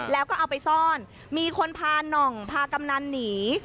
แล้วก็เอาไปซ่อนมีคนพาน่องพากำนันหนี